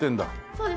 そうです。